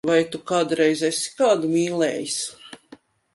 Vai Tu kādreiz esi kādu mīlējis?